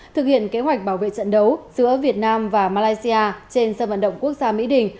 thực hiện kế hoạch bảo vệ trận đấu giữa việt nam và malaysia trên sân vận động quốc gia mỹ đình